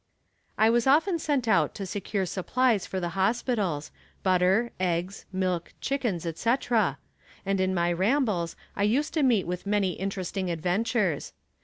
I was often sent out to procure supplies for the hospitals, butter, eggs, milk, chickens, etc., and in my rambles I used to meet with many interesting adventures.